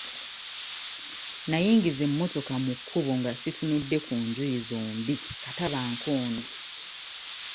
Nayingiza emmotoka mu kkubo nga situnudde ku njuyi zombi kata bankoone.